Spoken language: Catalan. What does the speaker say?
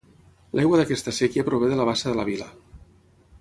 L'aigua d'aquesta séquia prové de la Bassa de la Vila.